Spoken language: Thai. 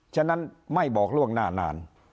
ฉะนั้นไม่บอกล่วงหน้านาน